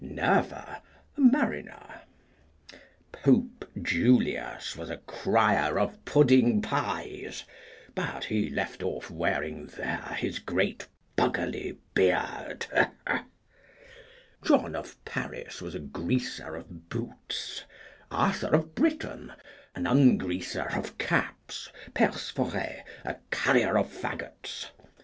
Nerva, a mariner. Pope Julius was a crier of pudding pies, but he left off wearing there his great buggerly beard. John of Paris was a greaser of boots. Arthur of Britain, an ungreaser of caps. Perce Forest, a carrier of faggots.